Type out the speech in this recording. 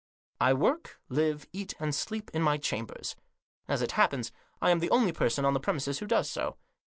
I work, live, eat and sleep in my chambers. As it happens I am the only person on the premises who does so.